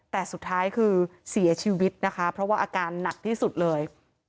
แต่สุดท้ายคือเสียชีวิตนะคะเพราะว่าอาการหนักที่สุดเลย